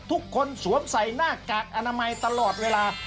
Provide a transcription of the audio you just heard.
สวมใส่หน้ากากอนามัยตลอดเวลา